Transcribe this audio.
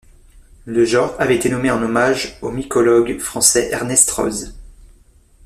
Le genre avait été nommé en hommage au mycologue français Ernest Roze.